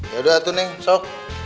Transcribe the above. yaudah tuh neng sok